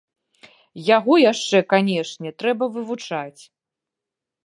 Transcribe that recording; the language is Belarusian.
Яго яшчэ, канечне, трэба вывучаць.